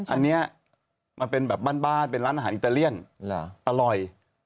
อันนี้มันเป็นแบบบ้านเป็นร้านอาหารอิตาเลียนอร่อย